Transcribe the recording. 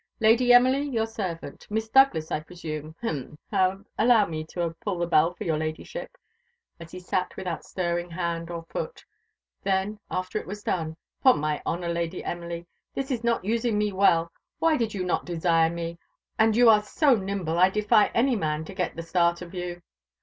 "Lady Emily, your servant Miss Douglas, I presume hem! allow me to pull the bell for your Ladyship," as he sat without stirring hand or foot; then, after it was done "'Pon my honour, Lady Emily, this is not using me well Why did you not desire me? And you are so nimble, I defy any man to get the start of you."